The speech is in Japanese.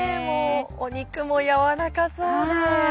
肉もやわらかそうで。